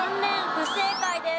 不正解です。